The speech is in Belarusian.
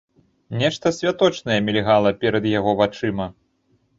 Нешта святочнае мільгала перад яго вачыма.